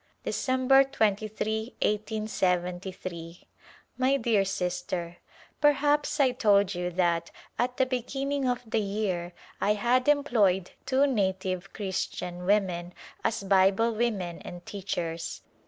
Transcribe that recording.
December 2J^ 1^73 * My dear Sister : Perhaps I told you that, at the beginning of the year, I had employed two native Christian women as Bible women and teachers.